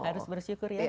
harus bersyukur ya